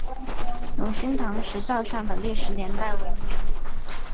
永兴堂石造像的历史年代为明。